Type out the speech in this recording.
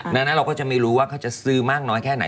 ดังนั้นเราก็จะไม่รู้ว่าเขาจะซื้อมากน้อยแค่ไหน